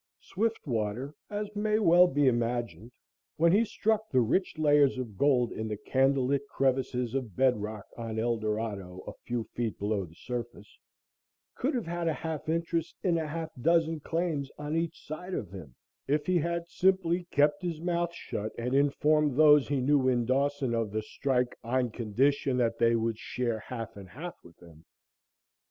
Swiftwater, as may well be imagined, when he struck the rich layers of gold in the candle lit crevices of bedrock on Eldorado a few feet below the surface, could have had a half interest in a half dozen claims on each side of him if he had simply kept his mouth shut and informed those he knew in Dawson of the strike, on condition that they would share half and half with him.